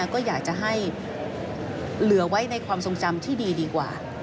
ก็อยากจะให้เหลือไว้ในความทรงจำที่ดีกว่า